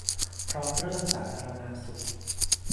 เพราะเรื่องสาธารณสุข